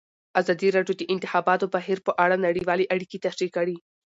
ازادي راډیو د د انتخاباتو بهیر په اړه نړیوالې اړیکې تشریح کړي.